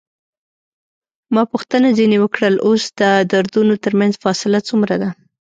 ما پوښتنه ځنې وکړل: اوس د دردونو ترمنځ فاصله څومره ده؟